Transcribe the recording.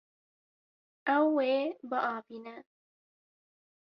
Ew ê biavîne.